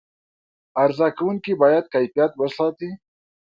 عرضه کوونکي باید کیفیت وساتي.